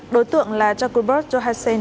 đối tượng là jacobus johassen